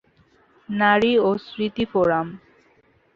নারী ও স্মৃতি ফোরাম।